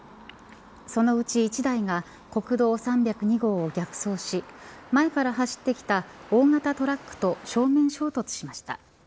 そのうち１台が国道３０２号を逆走し前から走ってきた大型トラックと正面衝突しました。